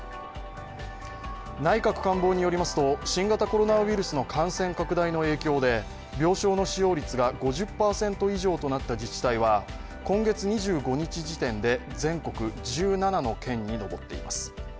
内閣官房によりますと、新型コロナウイルスの感染拡大の影響で病床の使用率が５０％以上となった自治体は今月２５日時点で全国１７の県に上っています。